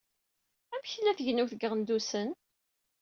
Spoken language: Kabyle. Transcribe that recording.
Amek tella tegnewt deg Iɣendusen?